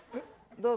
どうぞ。